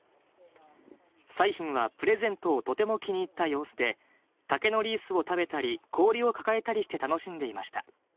彩浜はプレゼントをとても気に入った様子で、竹のリースを食べたり、氷を抱えたりして楽しんでいました。